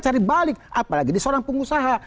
cari balik apalagi di seorang pengusaha